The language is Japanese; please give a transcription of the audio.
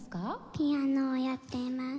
ピアノをやっています。